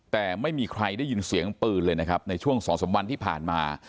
แต่ไม่มีใครได้ยินเสียงปืนเลยนะครับในช่วง๒๓วันที่ผ่านมา